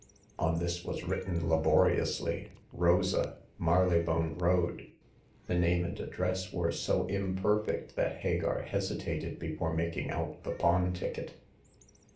On this was written labori ously :" Rosa, Marylebone Road." The name and address were so imperfect that Hagar hesi tated before making out the pawn ticket.